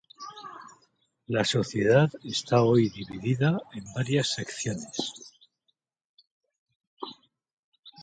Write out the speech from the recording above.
La Sociedad está hoy dividida en varias secciones.